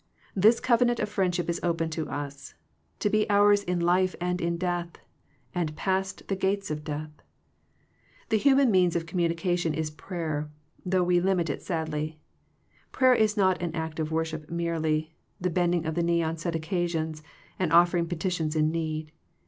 This covenant of friendship is open to us, to be ours in life, and in death, and past the gates of death. The human means of communication is prayer, though we limit it sadly. Prayer is not an act of worship merely, the bending of the knee on set occasions, and offering petitions in need.